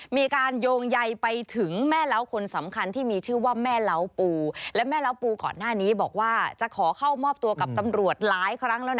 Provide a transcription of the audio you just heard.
มีการโยงใหญ่ไปถึงแม่เหล้าคนสำคัญ